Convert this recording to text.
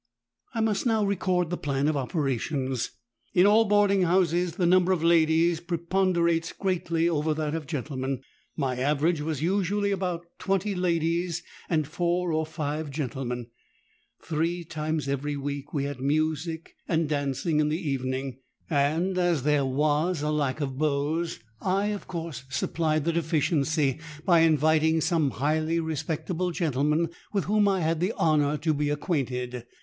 "I must now record the plan of operations. In all boarding houses the number of ladies preponderates greatly over that of gentlemen. My average was usually about twenty ladies and four or five gentlemen. Three times every week we had music and dancing in the evening; and as there was a lack of beaux, I of course supplied the deficiency by inviting 'some highly respectable gentlemen with whom I had the honour to be acquainted.'